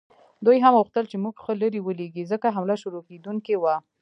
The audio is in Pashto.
دوی هم غوښتل چې موږ ښه لرې ولیږي، ځکه حمله شروع کېدونکې وه.